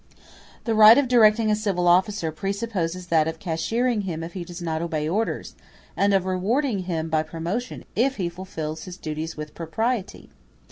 The right of directing a civil officer presupposes that of cashiering him if he does not obey orders, and of rewarding him by promotion if he fulfils his duties with propriety.